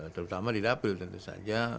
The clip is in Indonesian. terutama di dapil tentu saja